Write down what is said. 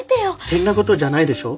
変なことじゃないでしょ？